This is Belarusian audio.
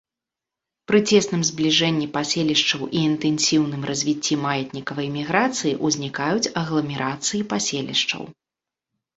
Пры цесным збліжэнні паселішчаў і інтэнсіўным развіцці маятнікавай міграцыі ўзнікаюць агламерацыі паселішчаў.